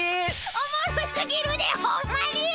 おもろすぎるでホンマに！